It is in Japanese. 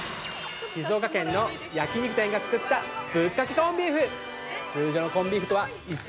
静岡県の焼肉店が作った、ぶっかけコンビーフ。